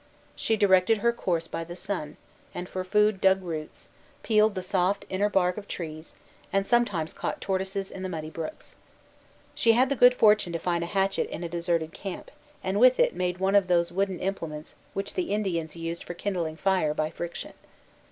She directed her course by the sun, and for food dug roots, peeled the soft inner bark of trees, and sometimes caught tortoises in the muddy brooks. She had the good fortune to find a hatchet in a deserted camp, and with it made one of those wooden implements which the Indians used for kindling fire by friction.